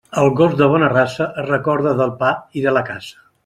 El gos de bona raça es recorda del pa i de la caça.